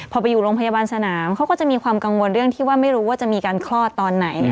พอไปอยู่โรงพยาบาลสนามเขาก็จะมีความกังวลเรื่องที่ว่าไม่รู้ว่าจะมีการคลอดตอนไหน